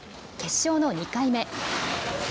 決勝の２回目。